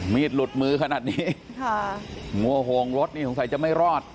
มีดหลุดมือขนาดนี้ค่ะงัวโหงรถนี่สงสัยจะไม่รอด